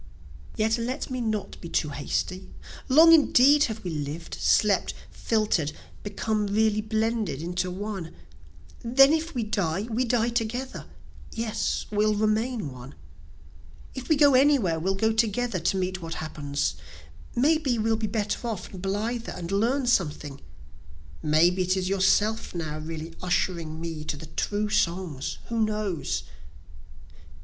Yet let me not be too hasty, Long indeed have we lived, slept, filter'd, become really blended into one; Then if we die we die together, (yes, we'll remain one,) If we go anywhere we'll go together to meet what happens, May be we'll be better off and blither, and learn something, May be it is yourself now really ushering me to the true songs, (who knows?)